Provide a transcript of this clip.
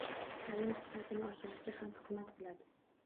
Ta’lim sifatini oshirishga ham xizmat qiladi.